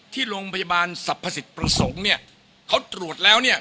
ที่โรงพยาบาลสรรพสิทธิ์ประสงค์เนี่ยเขาตรวจแล้วเนี่ย